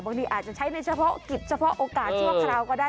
บางทีอาจจะใช้ในเฉพาะกิจเฉพาะโอกาสชั่วคราวก็ได้